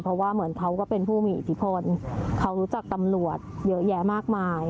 เพราะว่าเหมือนเขาก็เป็นผู้มีอิทธิพลเขารู้จักตำรวจเยอะแยะมากมาย